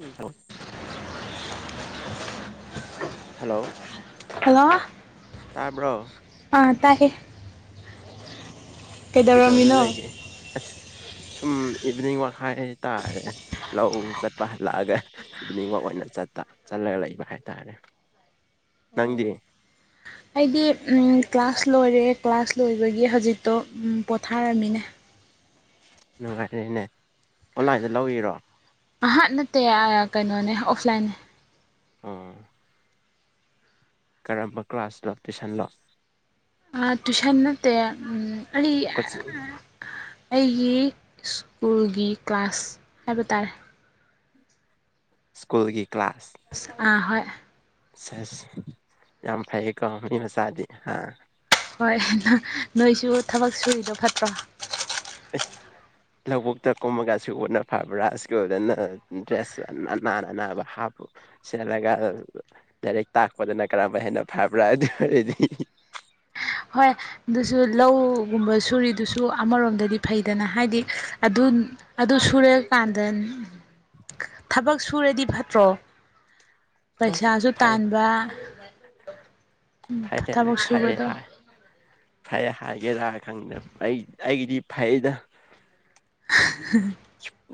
ꯎꯝ hello hello ꯇꯥꯕ꯭ꯔꯣ ꯑꯥ ꯇꯥꯏꯦ ꯀꯈꯤꯇ ꯋꯥꯔꯦ ꯂꯩ ꯂꯩꯒꯦ ꯁ ꯏꯚꯤꯅꯤꯡ ꯋꯥꯛ ꯍꯥꯏꯇꯥꯔꯦ ꯂꯧ ꯆꯠꯄ ꯍꯜꯂꯛꯑꯒ ꯏꯚꯤꯅꯤꯡ ꯋꯥꯛ ꯑꯣꯏꯅ ꯆꯠꯄ ꯆꯠ ꯂ ꯂꯩꯕ ꯍꯥꯏꯇꯥꯔꯦ ꯅꯪꯗꯤ ꯑꯩꯗꯤ ꯀ꯭ꯂꯥꯁ ꯂꯣꯏꯔꯦ ꯀ꯭ꯂꯥꯁ ꯂꯣꯏꯕꯒꯤ ꯍꯧꯖꯤꯛꯇꯣ ꯄꯣꯊꯥꯔꯝꯃꯤꯅꯦ ꯅꯨꯡꯉꯥꯏꯔꯦꯅꯦ ꯑꯣꯟꯂꯥꯏꯟꯗ ꯂꯧꯕꯤꯔꯣ ꯍ ꯅꯠꯇꯦ ꯀꯩꯅꯣꯅꯦ ꯑꯣꯐꯂꯥꯏꯟ ꯑ ꯀꯔꯝꯕ ꯀ꯭ꯂꯥꯁ ꯂꯣ ꯇꯨꯏꯁꯟꯂꯣ ꯇ꯭ꯌꯨꯁꯟ ꯅꯇ ꯑ ꯀꯣꯆꯤꯡ ꯑꯩꯒꯤ ꯁ꯭ꯀꯨꯜꯒꯤ ꯀ꯭ꯂꯥꯁ ꯍꯥꯏꯕ ꯇꯥꯔꯦ ꯁ꯭ꯀꯨꯜꯒꯤ ꯀ꯭ꯂꯥꯁ ꯑꯥ ꯍꯣꯏ ꯁꯁ ꯌꯥꯝ ꯐꯩꯌꯦꯀꯣ ꯃꯤ ꯃꯆꯥꯗꯤ ꯍꯥ ꯍꯣꯏ ꯠꯇ ꯑꯁ ꯂꯧꯕꯨꯛꯇ ꯀꯨꯝꯃꯒꯁꯨ ꯎꯅ ꯐꯕ꯭ꯔꯥ ꯁ꯭ꯀꯨꯜꯗꯅ ꯗ꯭ꯔꯦꯁ ꯅꯥꯟꯅ ꯅꯥꯕ ꯍꯥꯞꯄ ꯁꯦꯠꯂꯒ ꯂꯥꯏꯔꯛ ꯇꯥꯛꯄꯗꯅ ꯀꯔꯝꯕ ꯍꯦꯟꯅ ꯐꯕ꯭ꯔꯥ ꯑꯗꯨ ꯑꯣꯏꯔꯗꯤ [unintelligible] ꯍꯣꯏ ꯑꯗꯨꯁꯨ ꯂꯧꯒꯨꯝꯕ ꯁꯨꯔꯤꯗꯨꯁꯨ ꯑꯃꯔꯣꯝꯗꯗꯤ ꯐꯩꯗꯅ ꯍꯥꯏꯗꯤ ꯑꯗꯨ ꯑꯗꯨ ꯁꯨꯔꯦꯑ ꯀꯥꯟꯗ [unintelligible] ꯊꯕꯛ ꯁꯨꯔꯗꯤ ꯐꯠꯇ꯭ꯔꯣ ꯄꯩꯁꯥꯁꯨ ꯐꯩ ꯇꯥꯟꯕ ꯐꯔꯦ ꯐ ꯊꯕꯛ ꯐꯔꯌꯦ ꯁꯨꯕꯗꯣ ꯍꯥꯏ ꯐꯩ ꯍꯥꯏꯒꯦꯔꯥ ꯈꯪꯗ ꯑꯩ ꯑꯩꯒꯤꯗꯤ ꯐꯩꯩꯅ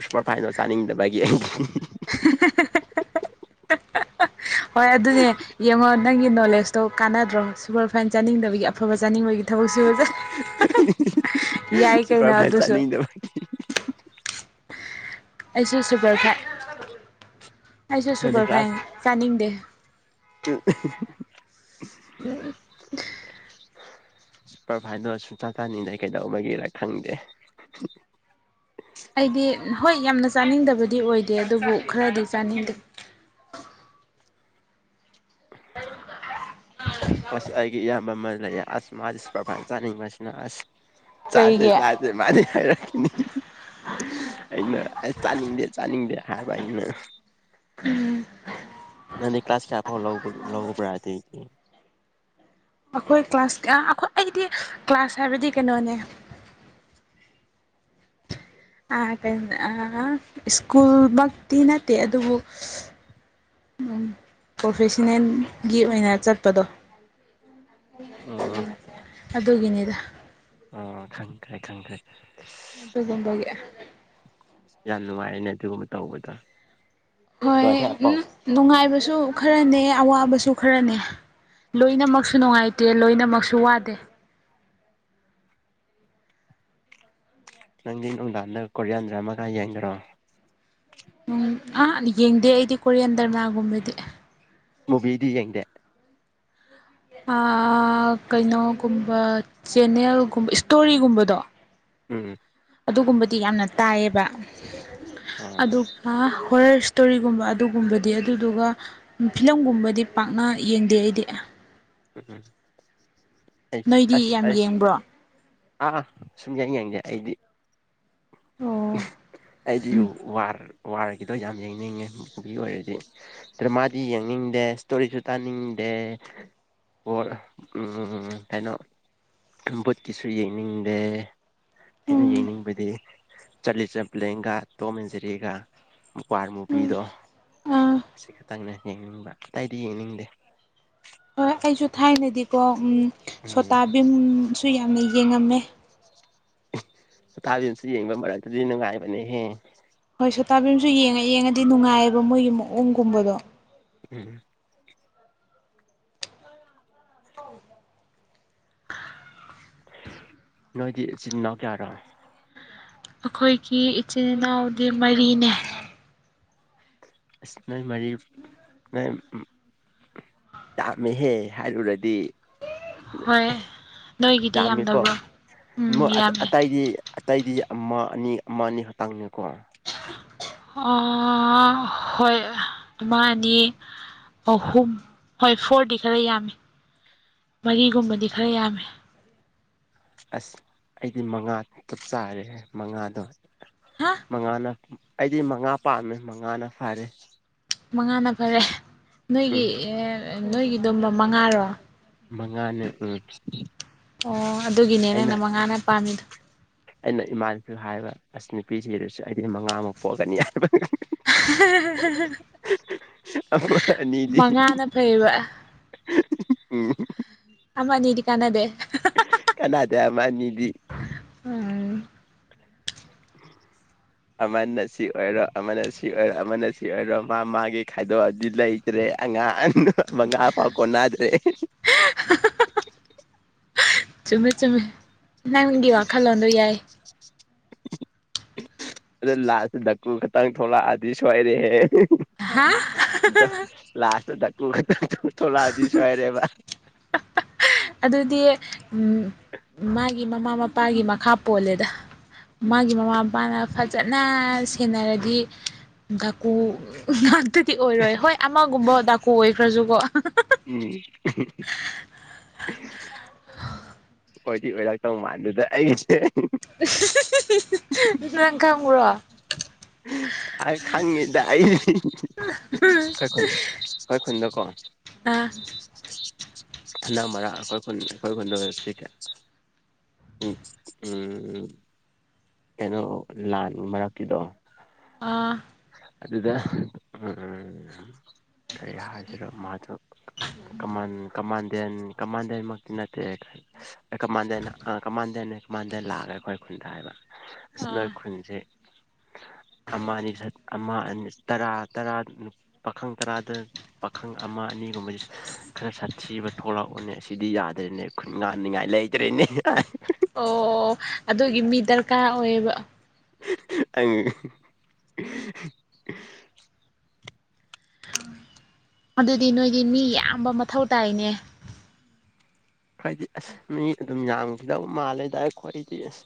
ꯁꯨꯄꯔ ꯐꯥꯏꯅꯜ ꯆꯥꯅꯤꯡꯗꯕꯒꯤ ꯑꯩꯗꯤ ꯍꯣꯏ ꯑꯗꯨꯅꯦ ꯌꯦꯡꯉꯣ ꯅꯪꯒꯤ ꯅꯣꯂꯦꯖ ꯇꯣ ꯀꯥꯟꯅꯗ꯭ꯔꯣ ꯁꯨꯄꯔ ꯐꯥꯏꯟ ꯆꯥꯅꯤꯡꯗꯕꯒꯤ ꯑꯐꯕ ꯆꯥꯅꯤꯡꯕꯒꯤ ꯊꯕꯛꯁꯨ ꯐꯖ ꯌꯥꯏ ꯀꯩꯅꯣ ꯁꯨꯄꯔꯐꯥꯏꯟ ꯑꯗꯨꯁꯨ ꯆꯥꯅꯤꯡꯗꯕ ꯑꯩꯁꯨ ꯁꯨꯄꯔ ꯐꯥꯏꯠ ꯑꯩꯁꯨ ꯅꯪꯗꯤ ꯁꯨꯄꯔ ꯐꯥꯏ ꯀ꯭ꯂꯥꯁ ꯆꯥꯅꯤꯡꯗꯦ ꯎ ꯁꯨꯄꯔꯚꯥꯏꯗꯣ ꯁꯨꯡ ꯆ ꯆꯥꯅꯤꯡꯗꯩ ꯀꯩꯗꯧꯕꯒꯤꯔ ꯈꯪꯗꯦ ꯑꯩꯗꯤ ꯍꯣꯏ ꯌꯥꯝꯅ ꯆꯥꯅꯤꯡꯗꯕꯗꯤ ꯑꯣꯏꯗꯦ ꯑꯗꯨꯕꯨ ꯈꯔꯗꯤ ꯆꯥꯅꯤꯡꯗꯦ ꯎ ꯑꯁ ꯑꯩꯒꯤ ꯏꯌꯥꯝꯕꯃꯜ ꯂꯩꯌꯦ ꯑꯁ ꯃꯥ ꯄꯕꯥꯅ ꯆꯥꯅꯤꯡꯕꯁꯤꯅ ꯑꯁ ꯆꯥꯥꯁꯦ ꯀꯩꯒꯤ ꯆꯥꯁꯦ ꯃꯥꯗꯤ ꯌꯥ ꯔꯈꯤꯅꯤ ꯑꯩꯅ ꯑꯁ ꯆꯥꯅꯤꯡꯗꯦ ꯆꯥꯅꯤꯡꯗꯦ ꯍꯥꯏꯕ ꯑꯩꯅ ꯅꯅꯤ ꯀ꯭ꯂꯥꯁꯐ ꯂꯧꯕ ꯄ ꯑꯩꯈꯣꯏ ꯀ꯭ꯂꯥꯁ ꯑ ꯑꯩꯈꯣꯏ ꯑꯩꯗꯤ ꯀ꯭ꯂꯥꯁ ꯍꯥꯏꯕꯗꯤ ꯀꯩꯅꯣꯅꯦ ꯩꯅ ꯁ꯭ꯀꯨꯜꯃꯛꯇꯤ ꯅꯠꯇꯦ ꯑꯗꯨꯕꯨ ꯎ ꯄ꯭ꯔꯣꯐꯦꯁꯟꯅꯦꯜꯒꯤ ꯑꯣꯏꯅ ꯆꯠꯄꯗꯣ ꯎ ꯑꯗꯨꯒꯤꯅꯤꯗ ꯑꯣ ꯈꯪꯈꯥꯏ ꯈꯪꯈ꯭ꯔꯦ ꯃꯒꯝꯕꯒꯦ ꯌꯥꯝ ꯅꯨꯡꯉꯥꯏꯅꯦ ꯑꯗꯨꯒꯨꯝꯕ ꯇꯧꯕꯗ ꯍꯣꯏ ꯎꯝ ꯅꯨꯡꯉꯥꯏꯕꯁꯨ ꯈꯔꯅꯦ ꯑꯋꯥꯕꯁꯨ ꯈꯔꯅꯦ ꯂꯣꯏꯅꯃꯛꯁꯨ ꯅꯨꯡꯉꯥꯏꯇꯦ ꯂꯣꯏꯅꯃꯛꯁꯨ ꯋꯥꯗꯦ ꯎ ꯅꯪꯗꯤ ꯅꯨꯡꯗꯥꯡꯗ ꯀꯣꯔꯤꯌꯥꯟꯗ꯭ꯔ ꯑꯃꯒ ꯌꯦꯡꯗꯔꯣ ꯎꯝ ꯑꯥ ꯌꯦꯡꯗꯦ ꯑꯩꯗꯤ ꯀꯣꯔꯤꯌꯥꯟ ꯗꯔꯃꯥꯒꯨꯝꯕꯗꯤ ꯃꯨꯕꯤꯗꯤ ꯌꯦꯡꯗꯦ ꯀꯩꯅꯣꯒꯨꯝꯕ ꯆꯦꯟꯅꯦꯜꯒꯨꯝꯕ ꯏꯁꯇꯣꯔꯤꯒꯨꯝꯕꯗꯣ ꯎꯝ ꯑꯗꯨꯒꯨꯝꯕꯗꯤ ꯌꯥꯝꯅ ꯇꯥꯏꯌꯦꯕ ꯑꯥ ꯑꯗꯨꯒ ꯍꯣꯔꯔ ꯏꯁꯇꯣꯔꯤꯒꯨꯝꯕ ꯑꯗꯨꯒꯨꯝꯕꯗꯤ ꯑꯗꯨꯗꯨꯒ ꯐꯤꯂꯝꯒꯨꯝꯕꯗꯤ ꯄꯥꯛꯅ ꯌꯦꯡꯗꯦ ꯑꯩꯗꯤ ꯎꯝ ꯎꯝ ꯑꯩꯁꯨ ꯅꯣꯏꯗꯤ ꯑꯁ ꯌꯥꯝ ꯑꯩꯁꯨ ꯌꯦꯡꯕ꯭ꯔꯣ ꯑꯥ ꯁꯨꯝ ꯌꯦꯡ ꯌꯦꯡꯁꯦ ꯑꯩꯗꯤ ꯑꯣ ꯑꯩꯗꯤ ꯋꯥꯔ ꯋꯥꯔꯒꯤꯗꯣ ꯌꯥꯝ ꯌꯦꯡꯅꯤꯡꯉꯦ ꯃꯨꯚꯤ ꯑꯣꯏꯔꯗꯤ ꯗ꯭ꯔꯃꯥꯗꯤ ꯌꯦꯡꯅꯤꯡꯗꯦ ꯏꯁꯇꯣꯔꯤꯁꯨ ꯇꯥꯅꯤꯡꯗꯦ ꯑꯦ ꯍ ꯎꯝ ꯀꯩꯅꯣ ꯕꯨꯣꯠꯀꯤꯁꯨ ꯌꯦꯡꯅꯤꯡꯗꯦ ꯑꯩꯅ ꯎꯝ ꯌꯦꯡꯅꯤꯡꯕꯗꯤ ꯆꯠꯂꯤ ꯆꯦꯝꯄ꯭ꯂꯦꯟꯒ ꯇꯣꯝ ꯏꯟꯖꯔꯤꯒ ꯃꯄꯥꯔ ꯃꯨꯕꯤꯗꯣ ꯑꯥ ꯑꯁꯤ ꯈꯛꯇꯪꯅꯦ ꯌꯦꯡꯅꯤꯡꯕ ꯑꯇꯩꯏꯗꯤ ꯌꯦꯡꯅꯤꯡꯗꯦ ꯍꯣꯏ ꯑꯩꯁꯨ ꯊꯥꯏꯅꯗꯤꯀꯣ ꯎꯝ ꯁꯣꯇꯥꯕꯤꯝꯁꯨ ꯌꯥꯝꯅ ꯌꯦꯡꯉꯝꯃꯦ ꯍꯇꯥꯕꯤꯁꯨ ꯌꯦꯡꯕ ꯃꯔꯛꯇꯗꯤ ꯅꯨꯡꯉꯥꯏꯕꯅꯦꯍꯦ ꯍꯣꯏ ꯁꯣꯇꯥꯕꯤꯝꯁꯨ ꯌꯦꯡꯉ ꯌꯦꯡꯉꯗꯤ ꯅꯨꯡꯉꯥꯏꯑꯕ ꯃꯣꯏꯒꯤ ꯃꯑꯣꯡꯒꯨꯝꯕꯗꯣ ꯎꯝ ꯅꯣꯏꯗꯤ ꯏꯆꯤꯟ ꯏꯅꯥꯎ ꯀꯌꯥꯔꯣ ꯑꯩꯈꯣꯏꯒꯤ ꯏꯆꯤꯟ ꯏꯅꯥꯎꯗꯤ ꯃꯔꯤꯅꯦ ꯅꯣꯏ ꯃꯔꯤ ꯅꯣꯏ ꯌꯥꯝꯥꯃꯦꯍꯦ ꯍꯥꯏꯔꯨꯔꯗꯤ ꯍꯣꯏ ꯅꯣꯏꯒꯤꯗꯤ ꯌꯥꯝꯃꯤꯀꯣ ꯌꯥꯝꯗꯕ꯭ꯔꯣ ꯎꯝ ꯌꯥꯝꯃꯦ ꯑꯇꯩꯗꯤ ꯑꯇꯩꯗꯤ ꯑꯃ ꯑꯅꯤ ꯑꯃ ꯑꯅꯤ ꯈꯛꯛꯇꯥꯡꯅꯦꯀꯣ ꯍꯣꯏ ꯑꯗꯨꯃ ꯑꯅꯤ ꯑꯍꯨꯝ ꯍꯣꯏ ꯐꯣꯔꯗꯤ ꯈꯔ ꯌꯥꯝꯃꯤ ꯃꯔꯤꯒꯨꯝꯕꯗꯤ ꯈꯔ ꯌꯥꯝꯃꯤ ꯑꯁ ꯑꯩꯗꯤ ꯃꯉꯥ ꯆꯞ ꯆꯥꯔꯦ ꯃꯉꯥꯗꯣ ꯍꯥ ꯃꯉꯥꯅ ꯑꯩꯗꯤ ꯃꯉꯥ ꯄꯥꯝꯃꯦ ꯃꯉꯥꯅ ꯐꯔꯦ ꯃꯉꯥꯅ ꯐꯔꯦ ꯅꯣꯏꯒꯤ ꯎꯝ ꯅꯣꯏꯒꯤꯗꯨ ꯃꯉꯥꯔꯣ ꯃꯉꯥꯅꯦ ꯔ ꯑꯣ ꯑꯗꯨꯒꯤꯅꯦ ꯑꯩꯅ ꯅꯪꯅ ꯃꯉꯥꯅ ꯄꯥꯝꯃꯤꯗꯣ ꯑꯩꯅ ꯏꯃꯥꯥꯟ ꯑꯗꯨ ꯍꯥꯏꯕ ꯑꯁ ꯅꯨꯄꯤꯁꯤꯗꯁꯨ ꯑꯩꯗꯤ ꯃꯉꯥꯃꯨꯛ ꯄꯣꯛꯀꯅꯤ ꯍꯥꯏꯕ ꯑꯃ ꯑꯅꯤꯗꯤ ꯃꯉꯥꯅ ꯐꯩꯕ ꯎꯝ ꯑꯃ ꯅꯗꯤ ꯀꯥꯟꯅꯥꯗꯦ ꯀꯅꯥꯗ ꯃꯥꯅꯤꯗꯤ ꯎꯝ [unintelligible] ꯑꯃꯅ ꯁꯤ ꯑꯣꯏꯔꯣ ꯑꯃꯅ ꯁꯤ ꯑꯣꯏꯔꯣ ꯑꯃꯅ ꯁꯤ ꯑꯣꯏꯔꯣ ꯃꯥ ꯃꯥꯒꯤ ꯈꯥꯏꯗꯣꯛꯑꯗꯤ ꯂꯩꯇ꯭ꯔꯦ ꯑꯉꯥꯡ ꯃ ꯉꯥ ꯐꯥꯎ ꯀꯅꯗ꯭ꯔꯦ [unintelligible] ꯆꯨꯝꯃꯦ ꯆꯨꯝꯃꯦ ꯅꯪꯒꯤ ꯋꯥꯈꯜꯂꯣꯟꯗꯣ ꯌꯥꯏ ꯑꯗꯩ ꯂꯥꯛꯑꯁꯤꯦ ꯅꯛꯀꯨ ꯈꯛꯇꯪ ꯊꯣꯛꯂꯛꯑꯗꯤ ꯁꯣꯏꯔꯦꯍꯦ ꯍꯥ ꯂꯥꯁ ꯊ ꯊ ꯊꯣꯛꯂꯑꯗꯤ ꯁ ꯍꯏꯔꯦꯕ ꯑꯗꯨꯗꯤ ꯎ ꯃꯥꯒꯤ ꯃꯃꯥ ꯃꯄꯥꯒꯤ ꯃꯈꯥ ꯄꯣꯜꯂꯦꯗ ꯎꯝ ꯃꯥꯒꯤ ꯃꯃꯥ ꯃꯄꯥꯅ ꯐꯖꯅ ꯁꯦꯟꯅꯔꯗꯤ ꯀꯨ ꯉꯥꯛꯇ ꯇꯤ ꯑꯣꯏꯔꯣꯏ ꯍꯣꯏ ꯑꯃꯒꯨꯝꯕ ꯗꯥꯀꯨ ꯑꯣꯏꯈ꯭ꯔꯁꯨꯀꯣ ꯎꯝ ꯑ ꯍꯗꯤꯤ ꯑꯣꯏꯔꯛꯇꯧ ꯃꯥꯟ ꯑꯗꯨꯗ ꯑꯩꯁꯦ ꯅꯪ ꯈꯪꯉ꯭ꯔꯣ ꯈꯉꯉꯦꯗꯏ ꯀ ꯀ ꯍꯗꯀꯣ ꯑ ꯑꯅ ꯃꯔꯛ ꯑꯩꯈꯣꯏ ꯈꯨ ꯑꯩꯈꯣꯏ ꯈꯨꯟꯗ ꯁꯤꯁꯦ ꯎꯝ ꯀꯩꯅꯣ ꯂꯥꯟ ꯃꯔꯛꯀꯤꯗꯣ ꯑꯥ ꯑꯗꯨꯗꯗ ꯀꯔꯤ ꯍꯥꯏꯁꯤꯔꯣ ꯃꯥꯗꯨꯣ ꯀꯃꯥꯟ ꯀꯃꯥꯟ ꯗꯦꯟ ꯀꯃꯥꯟꯗꯦꯟꯃꯛꯇꯤ ꯅꯠꯇꯦ ꯀꯃꯥꯟꯗꯦꯟ ꯀꯃꯥꯟꯗꯦꯟ ꯃꯥꯟꯗ ꯂꯥꯛꯑꯒ ꯑꯩꯈꯣꯏ ꯈꯨꯟꯗ ꯍꯥꯏꯕ ꯑꯁꯤ ꯅꯣꯏ ꯑꯥ ꯈꯨꯟꯁꯦ ꯑꯃ ꯑꯅꯤ ꯁ ꯑꯃ ꯑ ꯇꯔꯥ ꯇꯔꯥ ꯄꯥꯈꯪ ꯇꯔꯥꯗ ꯄꯥꯈꯪ ꯑꯃ ꯑꯅꯤꯒꯨꯝꯕꯕꯁꯤ ꯈꯔ ꯁꯥꯊꯤꯕ ꯊꯣꯛꯂꯛꯑꯣꯅꯦ ꯁꯤꯗꯤ ꯌꯥꯗ꯭ꯔꯦꯅꯦ ꯈꯨꯟ ꯉꯥꯟꯅꯤꯡꯉꯥꯏ ꯂꯩꯇ꯭ꯔꯦꯅꯦ ꯑꯣ ꯑꯗꯨꯒꯤ ꯃꯤ ꯗꯔꯀꯥꯔ ꯑꯣꯏꯌꯦꯕ ꯑꯉ ꯑꯗꯨꯗꯤ ꯅꯣꯏꯒꯤ ꯃꯤ ꯌꯥꯝꯌꯥꯝꯕ ꯃꯊꯧ ꯇꯥꯏꯅꯦ ꯍꯥꯏꯗꯤ ꯑꯁ ꯃꯤ ꯑꯗꯨꯝ ꯌꯥꯝꯡꯒꯗꯕ ꯃꯥꯜꯂꯦꯗꯏ ꯈ꯭ꯋꯥꯗꯤ ꯑꯁ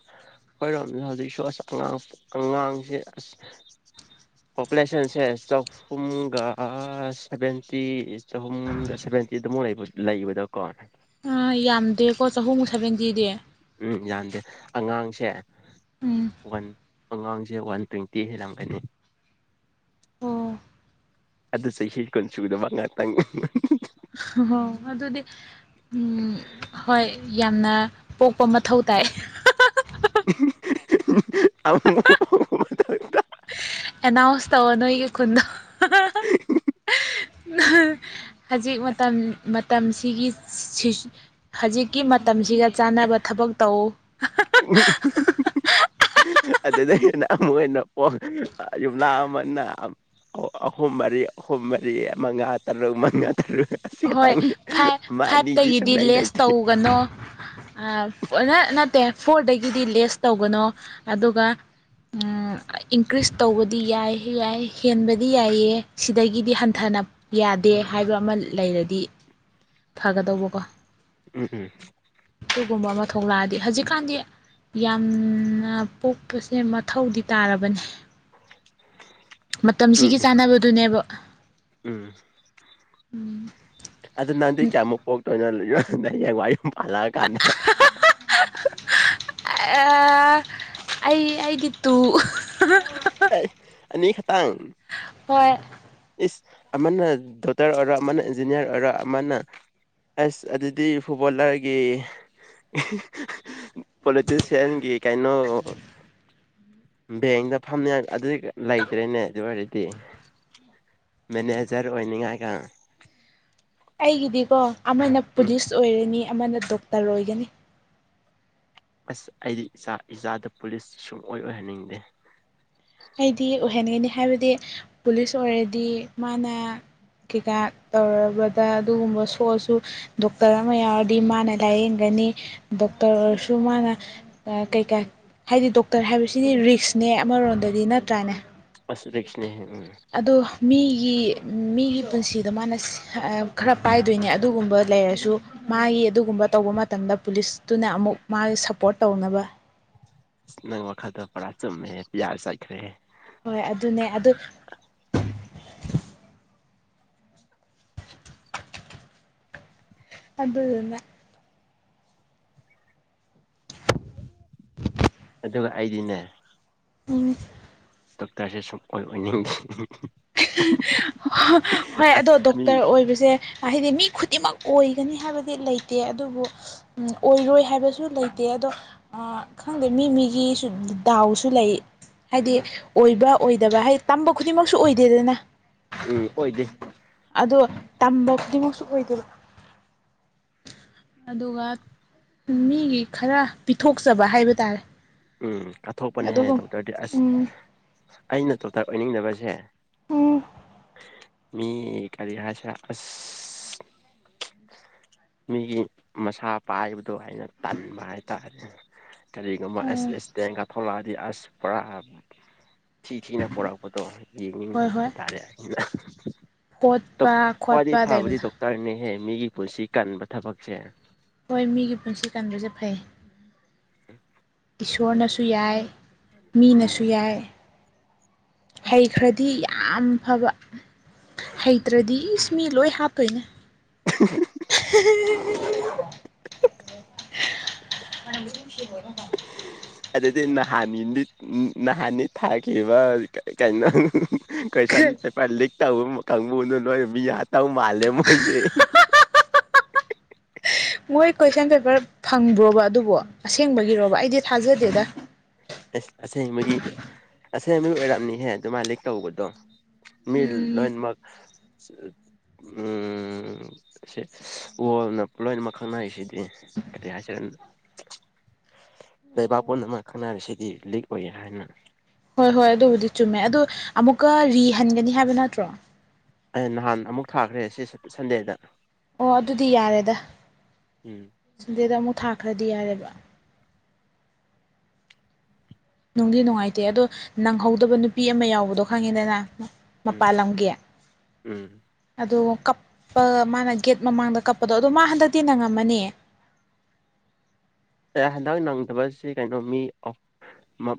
ꯣꯏꯔꯣꯝꯃꯦ ꯍꯧꯖꯤꯛꯁꯨ ꯑꯁ ꯑꯉꯥꯡ ꯑꯉꯥꯡꯁꯦ ꯑꯁ ꯄꯣꯄꯨꯂꯦꯁꯟꯁꯦ ꯆꯍꯨꯝꯒ ꯁꯚꯦꯟꯇꯤ ꯆꯍꯨꯝꯒ ꯦꯟꯇ ꯂꯩꯕꯗꯀꯣ ꯑꯥ ꯌꯥꯝꯗꯦꯀꯣ ꯆꯍꯨꯝꯃꯨꯛ ꯁꯕꯦꯟꯇꯤꯗꯤ ꯎꯝ ꯌꯥꯗꯦ ꯑꯉꯥꯡꯁꯦ ꯎꯝ ꯋꯥꯟ ꯑꯉꯥꯡꯁꯦ ꯁꯦ ꯋꯥꯟ ꯇ꯭ꯋꯦꯟꯇꯤ ꯍꯦꯜꯂꯝꯒꯅꯤ ꯑꯣ ꯑꯗꯨ ꯆꯍꯤ ꯀꯨꯟ ꯁꯨꯗꯕ ꯉꯥꯛꯇꯪ ꯍꯣ ꯑꯗꯨꯗꯤ ꯎꯝ ꯍꯣꯏ ꯌꯥꯝꯅ ꯄꯣꯛꯄ ꯃꯊꯧ ꯇꯥꯏ ꯑꯗ ꯑꯦꯅꯥꯎꯟꯁ ꯇꯧ ꯅꯣꯏꯒꯤ ꯈꯨꯟꯗꯣ ꯍꯧꯖꯤꯛ ꯃꯇꯝ ꯃꯇꯝꯁꯤꯒꯤ ꯍꯧꯖꯤꯛꯀꯤ ꯃꯇꯝꯁꯤꯒ ꯆꯥꯅꯕ ꯊꯕꯛ ꯇꯧ ꯑꯗꯨꯗꯒꯤꯅ ꯑꯃꯨꯛ ꯍꯅ ꯄ ꯌꯨꯝꯂꯥ ꯑꯃꯟꯅ ꯑꯣ ꯑꯍꯣꯝꯕꯔꯤ ꯑꯍꯣꯝꯕꯔꯤ ꯃꯉꯥ ꯇꯔꯨꯛ ꯃꯪꯉ ꯑꯣꯏ ꯐꯥꯏꯚ ꯑꯅꯤꯗꯤ ꯐꯥꯏꯚꯇꯒꯤꯗꯤ ꯁꯨꯡꯂꯩ ꯂꯦꯁ ꯂꯩꯇꯦ ꯇꯧꯒꯅꯣ ꯅꯠꯇꯦ ꯐꯣꯔꯗꯒꯤꯗꯤ ꯂꯦꯁ ꯇꯧꯒꯅꯣ ꯑꯗꯨꯒ ꯏꯟꯀ꯭ꯔꯤꯁ ꯇꯧꯕꯗꯤ ꯌꯥꯏ ꯌꯥꯏ ꯍꯦꯟꯕꯗꯤ ꯌꯥꯏꯑ ꯁꯤꯗꯒꯤꯗꯤ ꯍꯟꯊ ꯅ ꯌꯥꯗꯦ ꯍꯥꯏꯕ ꯑꯃ ꯂꯩꯔꯗꯤ ꯐꯒꯗꯧꯕꯀꯣ ꯎꯝ ꯎꯝ ꯑꯗꯨꯒꯨꯝꯕ ꯑꯃ ꯊꯣꯛꯂꯛꯑꯗꯤ ꯍꯧꯖꯤꯛꯀꯥꯟꯗꯤ ꯌꯥꯝꯅ ꯄꯣꯛꯄꯁꯦ ꯃꯊꯧꯗꯤ ꯇꯥꯔꯕꯅꯦ ꯎꯝ ꯎꯝ ꯃꯇꯝꯁꯤꯒꯤ ꯆꯥꯅꯕꯗꯨꯅꯦꯕ ꯎꯝ ꯑꯗ ꯅꯥꯟꯗꯤ ꯀꯌꯥꯃꯨꯛ ꯄꯣꯛꯒ ꯇꯅ ꯂꯩꯣ ꯅ ꯋꯥꯏ ꯄꯂ ꯀꯥꯟꯅ ꯑꯩ ꯑꯩꯒꯤ ꯇꯨ ꯑꯦꯅꯤ ꯈ ꯇ ꯍꯣꯏ ꯑꯃꯅ ꯗꯣꯛꯇꯔ ꯑꯣꯏꯔꯅ ꯏꯟꯖꯅꯤꯌꯥꯔ ꯑꯣꯏꯔ ꯑꯃꯅ ꯑꯁ ꯑꯗꯨꯗꯤ ꯐꯨꯠꯕꯣꯂꯔꯒꯤ ꯄꯣꯂꯤꯇꯤꯁꯤꯌꯥꯟꯒꯤ ꯀꯩꯅꯣ ꯕꯦꯡꯗ ꯐꯝꯃꯦ ꯑꯗꯨꯗꯤ ꯂꯩꯇ꯭ꯔꯦꯅꯦ ꯑꯗꯨ ꯑꯣꯏꯔꯗꯤ ꯃꯦꯅꯦꯖꯔ ꯑꯣꯏꯅꯤꯡꯉꯥꯏꯒ ꯑꯩꯒꯤꯗꯤꯀꯣ ꯑꯃꯅ ꯎꯝ ꯄꯨꯂꯤꯁ ꯑꯣꯏꯔꯅꯤ ꯑꯃꯅ ꯗꯣꯛꯇꯔ ꯑꯣꯏꯒꯅꯤ ꯑꯁ ꯑꯩꯗꯤ ꯏꯆꯥ ꯏꯆꯥꯗ ꯄꯨꯂꯤꯁ ꯁꯨꯡꯑꯣ ꯑꯣꯏꯍꯟꯅꯤꯡꯗꯦ ꯑꯩꯗꯤ ꯑꯣꯏꯍꯟꯒꯅꯤ ꯍꯥꯏꯕꯗꯤ ꯄꯨꯂꯤꯁ ꯑꯣꯏꯔꯗꯤ ꯃꯥꯅ ꯀꯩꯀꯥ ꯇꯧꯔꯕꯗ ꯑꯗꯨꯒꯨꯝꯕ ꯁꯣꯛꯑꯁꯨ ꯗꯣꯛꯇꯔ ꯑꯃ ꯌꯥꯎꯔꯗꯤ ꯃꯥꯅ ꯂꯥꯏꯌꯦꯡꯒꯅꯤ ꯗꯣꯛꯇꯔ ꯑꯣꯏꯔꯁꯨ ꯃꯥꯅ ꯀꯩꯀꯥ ꯍꯥꯏꯗꯤ ꯗꯣꯛꯇꯔ ꯍꯥꯏꯕꯁꯤꯗꯤ ꯔꯤꯛꯁꯅꯦ ꯑꯃꯔꯣꯝꯗꯗꯤ ꯅꯠꯇ꯭ꯔꯥꯅꯦ ꯑꯁꯗꯁꯅꯦꯍꯦ ꯎꯝ ꯒꯤ ꯃꯤꯒꯤ ꯄꯨꯟꯁꯤꯗ ꯃꯥꯅ ꯈꯔ ꯄꯥꯏꯗꯣꯏꯅꯦ ꯑꯗꯨꯒꯨꯝꯕ ꯂꯩꯔꯁꯨ ꯃꯥꯒꯤ ꯑꯗꯨꯒꯨꯝꯕ ꯇꯧꯕ ꯃꯇꯝꯗ ꯄꯨꯂꯤꯁꯇꯨꯅ ꯑꯃꯨꯛ ꯃꯥꯒꯤ ꯁꯞꯄꯣꯔꯠ ꯇꯧꯅꯕ ꯅꯪ ꯋꯥꯈꯜꯗ ꯄꯔꯥ ꯆꯨꯝꯃꯦꯦ ꯄꯤꯌꯥꯔ ꯆꯥꯏꯠꯈ꯭ꯔꯦ ꯍꯣꯏ ꯑꯗꯨꯅꯦ ꯑꯗꯨ ꯑꯗꯨꯗꯟꯅ ꯑꯗꯨꯒ ꯑꯩꯗꯤꯅꯦ ꯎ ꯗꯣꯛꯇꯔꯁꯦ ꯁꯨꯡꯑꯣꯣꯏ ꯑꯣꯏꯅꯤꯡꯗꯦ ꯍꯣꯏ ꯑꯁ ꯑꯗꯣ ꯃꯤ ꯗꯣꯛꯇꯔ ꯑꯣꯏꯕꯁꯦ ꯍꯥꯏꯗꯤ ꯃꯤ ꯈꯨꯗꯤꯡꯃꯛ ꯑꯣꯏꯒꯅꯤ ꯍꯥꯏꯕꯗꯤ ꯂꯩꯇꯦ ꯑꯗꯨꯕꯨ ꯑꯣꯏꯔꯣꯏ ꯍꯥꯏꯕꯁꯨ ꯂꯩꯇꯦ ꯑꯗꯣ ꯈꯪꯗꯦ ꯃꯤ ꯃꯤꯒꯤꯁꯨ ꯗꯥꯎꯁꯨ ꯂꯩ ꯍꯥꯏꯗꯤ ꯑꯣꯏꯕ ꯑꯣꯏꯗꯕ ꯍꯥꯏꯗꯤ ꯇꯝꯕ ꯈꯨꯗꯤꯡꯃꯛꯁꯨ ꯑꯣꯏꯗꯦꯗꯅ ꯎꯝ ꯑꯣꯏꯗꯦ ꯑꯗꯣ ꯇꯝꯕ ꯈꯨꯗꯤꯡꯃꯛꯁꯨ ꯑꯣꯏꯗꯣꯏꯅ ꯑꯗꯨꯒ ꯃꯤꯒꯤ ꯈꯔ ꯄꯤꯊꯣꯛꯆꯕ ꯍꯥꯏꯕ ꯇꯥꯔꯦ ꯎꯝ ꯀꯠꯊꯣꯛꯄꯅꯦꯍꯦ ꯑꯗꯨꯒ ꯗꯣꯛꯇꯔꯗꯤ ꯑꯁ ꯎꯝ ꯑꯩꯅ ꯗꯣꯛꯇꯔ ꯑꯣꯏꯅꯤꯡꯗꯕꯁꯦ ꯎꯝ ꯃꯤ ꯑꯦꯥꯗꯤ ꯍꯥꯏꯥꯁ ꯑ ꯃꯤꯒꯤ ꯃꯁꯥ ꯄꯥꯏꯕꯗꯣ ꯑꯩꯅ ꯇꯟꯕ ꯍꯥꯏꯇꯥꯥꯔꯦꯅꯦ ꯀꯔꯤꯒꯨꯝꯕ ꯑꯦꯁ ꯑꯦꯁ ꯇꯦꯡꯒ ꯊꯣꯛꯂꯛꯑꯗꯤ ꯑꯁ ꯄꯨꯔꯥ ꯊꯤ ꯊꯤꯅ ꯄꯣꯔꯛꯄꯗꯣ ꯍꯣꯏ ꯌꯦꯡꯅꯤꯡꯗꯕ ꯍꯣꯏ ꯍꯥꯏꯇꯥꯔꯦ ꯑꯩꯅ ꯐꯣꯠꯄ ꯈꯣꯠꯄ ꯈ꯭ꯋꯥꯏꯗꯒꯤ ꯐꯕꯗꯤ ꯂꯩꯕꯗꯣ ꯗꯣꯛꯇꯔꯅꯦꯍꯦ ꯃꯤꯒꯤ ꯄꯨꯟꯁꯤ ꯀꯟꯕ ꯊꯕꯛꯁꯦ ꯍꯣꯏ ꯃꯤꯒꯤ ꯄꯨꯟꯁꯤ ꯀꯟꯕꯁꯦ ꯐꯩ ꯎꯝ ꯏꯁꯣꯔꯅꯁꯨ ꯌꯥꯏ ꯃꯤꯅꯁꯨ ꯎꯝ ꯌꯥꯏ ꯍꯩꯈ꯭ꯔꯗꯤ ꯌꯥꯝ ꯐꯕ ꯍꯩꯇ꯭ꯔꯗꯤ ꯏꯁ ꯃꯤ ꯂꯣꯏ ꯍꯥꯞꯇꯣꯏꯅꯦ ꯁꯨ ꯑꯗꯨꯗꯤ ꯅꯍꯥꯟ ꯅꯍꯥꯟꯅꯤ ꯊꯥꯈꯤꯕ ꯀꯩꯅꯣ ꯈꯁꯥꯟ ꯄꯦꯄꯔ ꯂꯤꯈꯛꯇ ꯃꯈ ꯃ ꯑꯣꯏ ꯃꯤ ꯌꯥ ꯇꯥꯎ ꯃꯥꯂꯃꯣꯏꯁꯦ ꯃꯣꯏ ꯀꯣꯏꯁꯟ ꯄꯦꯄꯔ ꯐꯪꯕ꯭ꯔꯣꯕ ꯑꯗꯨꯕꯣ ꯑꯁꯦꯡꯕꯒꯤꯔꯣꯕ ꯑꯩꯗꯤ ꯊꯥꯖꯗꯦꯗ ꯁ ꯑꯁꯦꯡꯕꯒꯤ ꯑꯁꯦꯡꯕꯒꯤ ꯑꯣꯏꯔꯝꯑꯅꯤꯍꯦ ꯑꯗꯨꯃ ꯂꯤꯛ ꯇꯧꯕꯗꯣ ꯃꯤ ꯎꯝ ꯂꯦꯟꯃꯔꯛ ꯎꯝ ꯁꯤ ꯑꯣꯅ ꯂꯣꯏꯅ ꯃꯈꯪꯅꯅꯥꯏꯁꯤꯗꯤ ꯀꯔꯤ ꯍꯥꯏꯖꯔꯒꯦ ꯎꯝ ꯂꯩꯕꯥꯛꯄꯨꯝꯃꯛ ꯈꯪꯅꯔꯤꯁꯤꯗꯤ ꯂꯤꯛ ꯑꯣꯏꯒꯦ ꯍꯥꯏꯅ ꯛꯀ ꯔꯤ ꯍꯟꯒꯅꯤ ꯍꯥꯏꯕ ꯅꯠꯇ꯭ꯔꯣ ꯑꯩ ꯅꯍꯥꯟ ꯑꯃꯨꯛ ꯊꯥꯈ꯭ꯔꯦ ꯁꯤ ꯁꯟꯗꯦꯗ ꯑꯣ ꯑꯗꯨꯗꯤ ꯌꯥꯔꯦꯗ ꯎꯝ ꯁꯟꯗꯦꯗ ꯑꯃꯨꯛ ꯊꯥꯈ꯭ꯔꯗꯤ ꯌꯥꯔꯦꯕ ꯅꯨꯡꯗꯤ ꯅꯨꯡꯉꯥꯏꯇꯦ ꯑꯗꯣ ꯅꯪꯍꯧꯗꯕ ꯅꯨꯄꯤ ꯑꯃ ꯌꯥꯎꯕꯗꯣ ꯈꯪꯉꯦꯗꯅ ꯎꯝ ꯃꯄꯥꯜ ꯂꯝꯒꯤ ꯎꯝ ꯑꯗꯣ ꯀꯞꯄ ꯃꯥꯅ ꯒꯦꯠ ꯃꯃꯥꯡꯗ ꯀꯞꯄꯗꯣ ꯑꯗꯣ ꯃꯥ ꯍꯟꯗꯛꯇꯤ ꯅꯪꯉꯝꯃꯅꯤ [inaudible] ꯑꯦ ꯍꯟꯗꯛ ꯅꯪꯗꯕꯁꯤ ꯀꯩꯅꯣ ꯃꯤ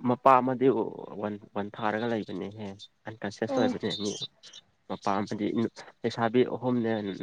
ꯃꯄꯥ ꯑꯃꯗꯤ ꯋꯥꯟ ꯋꯥꯟ ꯊꯥꯔꯒ ꯂꯩꯕꯅꯦꯍꯦ ꯑꯟꯀꯟꯁꯤꯁ ꯑꯣ ꯑꯣꯏꯕꯅꯦ ꯃꯤ ꯃꯄꯥ ꯑꯃꯗꯤ ꯂꯩꯁꯥꯕꯤ ꯑꯍꯨꯝꯅꯦ ꯅꯪ